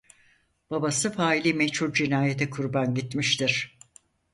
Babası faili meçhul cinayete kurban gitmiştir.